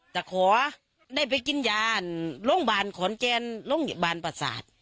แต่ขอได้ไปกินยาลโรงบาลขอร์นเกรนโรงบาลปศาสตร์